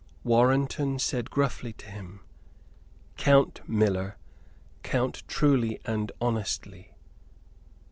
Warrenton said gruffly to him: "Count, miller; count truly and honestly."